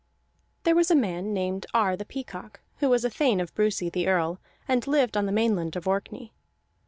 There was a man named Ar the Peacock, who was a thane of Brusi the Earl and lived on the Mainland of Orkney.